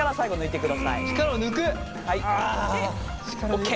ＯＫ。